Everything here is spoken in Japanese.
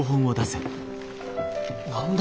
何だ？